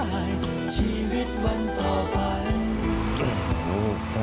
ทานไว้ได้ชีวิตวันต่อไป